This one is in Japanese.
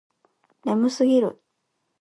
眠すぎる